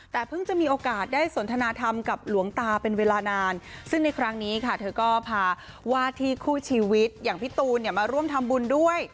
แต่เพิ่งจะมีโอกาสได้สนทนาธรรมกับหลวงตาเป็นเวลานานซึ่งในครั้งนี้ค่ะเธอก็พาว่าที่คู่ชีวิตอย่างพี่ตูนเนี่ยมาร่วมทำบุญด้วย